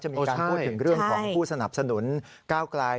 มีการพูดถึงเรื่องของผู้สนับสนุนก้าวไกล